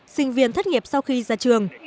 sinh viên thất nghiệp sau khi ra trường